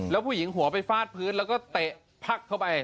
แล้วผู้หญิงหัวไปฟาดพื้นแล้วก็เตะพักเข้าไป